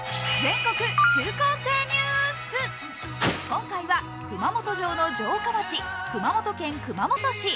今回は熊本城の城下町、熊本県熊本市。